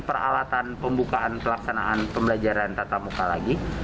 peralatan pembukaan pelaksanaan pembelajaran tatap muka lagi